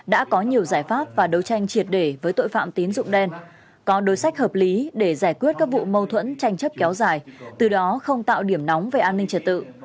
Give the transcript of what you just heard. đã có nhiều giải pháp và đấu tranh triệt để với tội phạm tín dụng đen có đối sách hợp lý để giải quyết các vụ mâu thuẫn tranh chấp kéo dài từ đó không tạo điểm nóng về an ninh trật tự